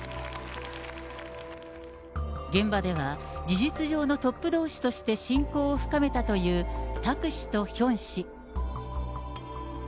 現場では事実上のトップどうしとして親交を深めたという、タク氏とヒョン氏。